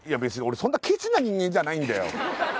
そんなケチな人間じゃないんだよ